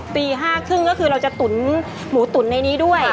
ปี๕๓๐ก็คือเราจะตุ๋นหมูตุ๋นในนี้ด้วย